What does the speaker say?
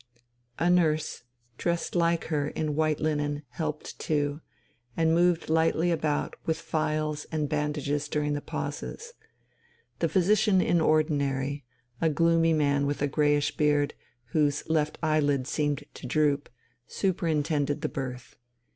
A nurse, dressed like her in white linen, helped too, and moved lightly about with phials and bandages during the pauses. The Physician in Ordinary, a gloomy man with a greyish beard, whose left eyelid seemed to droop, superintended the birth.